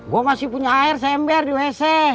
gue masih punya air sember di leseng